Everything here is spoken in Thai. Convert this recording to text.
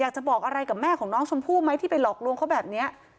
อยากจะบอกอะไรกับแม่ของน้องชมพู่ไหมที่ไปหลอกลวงเขาแบบนี้